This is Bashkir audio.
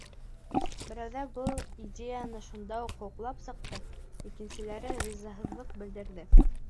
Берәүҙәр был идеяны шунда уҡ хуплап сыҡты, икенселәре ризаһыҙлыҡ белдерҙе.